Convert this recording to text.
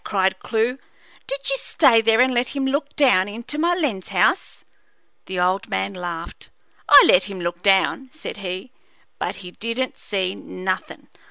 cried Clewe. "Did you stay there and let him look down into my lens house?" The old man laughed. "I let him look down," said he, "but he didn't see nothin'.